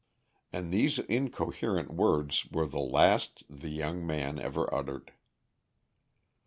And these incoherent words were the last the young man ever uttered.